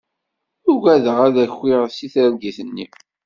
Uggadeɣ ad d-akiɣ seg targit-nni.